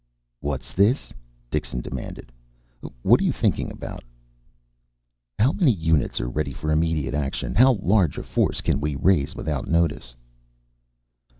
"What's this?" Dixon demanded. "What are you thinking about?" "How many units are ready for immediate action? How large a force can we raise without notice?"